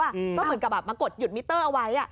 ก็เหมือนกับแบบมากดหยุดมิเตอร์เอาไว้